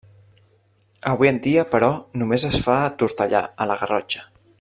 Avui en dia, però només es fa a Tortellà, a la Garrotxa.